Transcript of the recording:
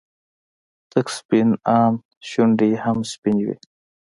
تک سپين ان شونډې يې هم سپينې وې.